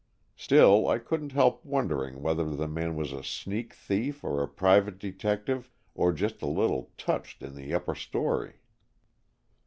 Still, I couldn't help wondering whether the man was a sneak thief or a private detective or just a little touched in the upper story."